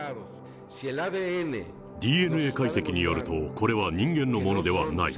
ＤＮＡ解析によると、これは人間のものではない。